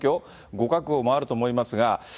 ご覚悟もあると思いますが。